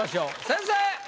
先生！